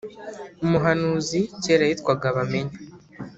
Umuhanuzi kera yitwaga bamenya.